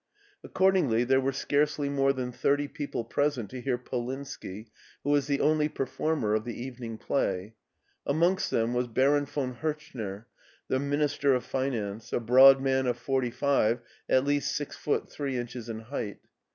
Accordingly there were scarcely more than thirty people present to hear Polinski, who was the only performer of the evening, play. Amongst them was Baron von Hirchner, the Minister of Finance, a broad man of forty five, at least six foot three inches in height.